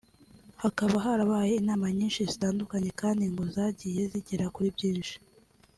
Hakaba harabaye inama nyinshi zitandukanye kandi ngo zagiye zigera kuri byinshi